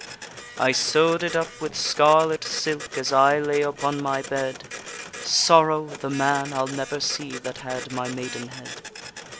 I sew'd it up with scarlet silk, As I lay upon my bed: Sorrow! the man I'll never see That had my maidenhead.